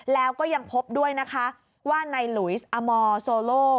แล้วก็ยังพบด้วยนะคะว่าในหลุยอมอร์โซโล